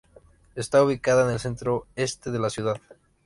Está ubicada en el centro este de la ciudad.